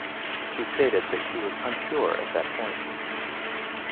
She stated that she was unsure at that point.